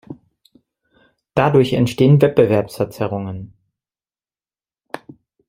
Dadurch entstehen Wettbewerbsverzerrungen.